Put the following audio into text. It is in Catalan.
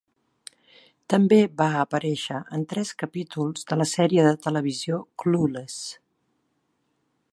També va aparèixer en tres capítols de la sèrie de televisió "Clueless".